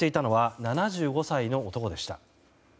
運転していたのは７５歳の男でした。